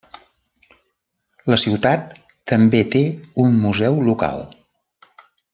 La ciutat també té un museu local.